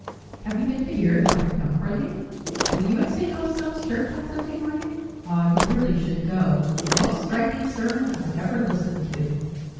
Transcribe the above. "Have you been to hear Dr. Dumfarthing?" "Were you at St. Osoph's Church on Sunday morning? Ah, you really should go! most striking sermon I ever listened to."